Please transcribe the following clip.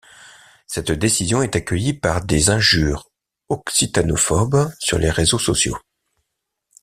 Cette décision est accueillie par des injures occitanophobes sur les réseaux sociaux.